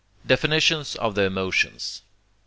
DEFINITIONS OF THE EMOTIONS I.